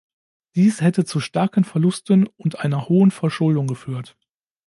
Dies hätte zu starken Verlusten und einer hohen Verschuldung geführt.